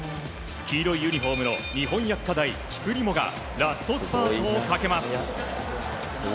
黄色いユニフォームの日本薬科大、キプリモがラストスパートをかけます。